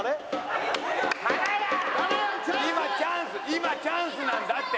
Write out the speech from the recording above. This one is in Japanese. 今チャンスなんだって！